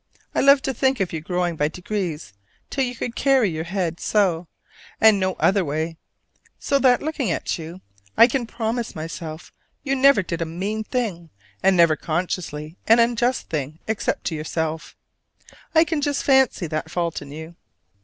I love to think of you growing by degrees till you could carry your head so and no other way; so that, looking at you, I can promise myself you never did a mean thing, and never consciously an unjust thing except to yourself. I can just fancy that fault in you.